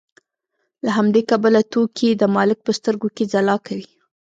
له همدې کبله توکي د مالک په سترګو کې ځلا کوي